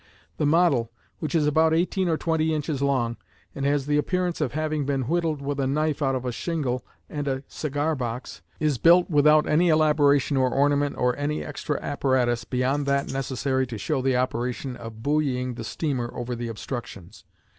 The model, which is about eighteen or twenty inches long and has the appearance of having been whittled with a knife out of a shingle and a cigar box, is built without any elaboration or ornament or any extra apparatus beyond that necessary to show the operation of buoying the steamer over the obstructions.